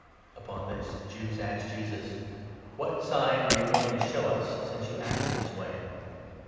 Upon this the Jews asked Jesus : 18 " What sign are you going to show us, since you act in this way